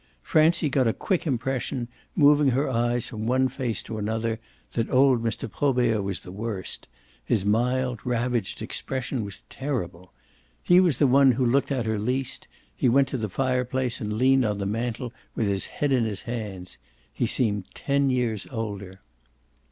Francie got a quick impression, moving her eyes from one face to another, that old Mr. Probert was the worst; his mild ravaged expression was terrible. He was the one who looked at her least; he went to the fireplace and leaned on the mantel with his head in his hands. He seemed ten years older.